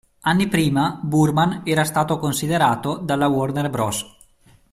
Anni prima, Boorman era stato considerato dalla Warner Bros.